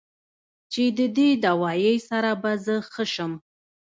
چې د دې دوائي سره به زۀ ښۀ شم